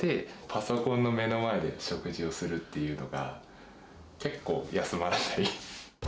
パソコンの目の前で食事をするっていうのが、結構、休まらない。